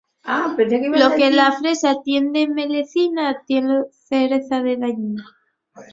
Lo que la fresa tien de melecina tienlo la zreza de dañina.